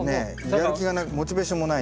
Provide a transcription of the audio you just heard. やる気がなくモチベーションもないし。